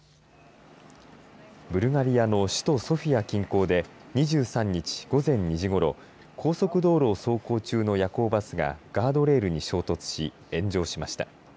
ブルガリアの首都ソフィア近郊で２３日、午前２時ごろ高速道路を走行中の夜行バスがガードレールに衝突し炎上しました。